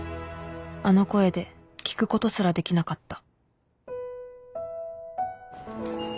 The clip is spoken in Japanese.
あの声で聞くことすらできなかった